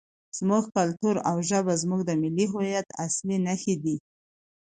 زموږ کلتور او ژبه زموږ د ملي هویت اصلي نښې دي.